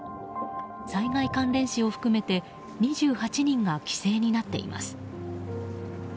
災害関連死を含めて２８人が犠牲になっています。